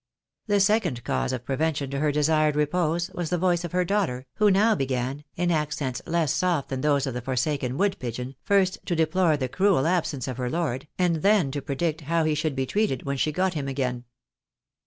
The second cause of prevention to her desired repose was the voice of her daughter, who now began, in accents less soft than those of the forsaken wood pigeon, first to deplore the cruel absence of her lord, and then to predict how he should be treated when she got him again.